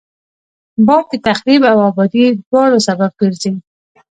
باد د تخریب او آبادي دواړو سبب ګرځي